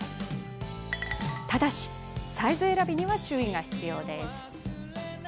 ただし、サイズ選びには注意が必要です。